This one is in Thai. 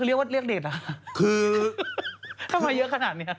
พี่เฮาถ้าเกิดมายอสอะไรเรียกว่าเลขเด็ดหรอ